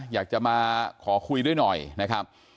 อยากจะมาขอคุยด้วยหน่อยนะครับ